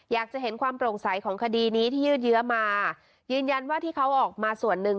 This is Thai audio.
อยากจะเห็นความโปร่งใสของคดีนี้ที่ยืดเยื้อมายืนยันว่าที่เขาออกมาส่วนหนึ่ง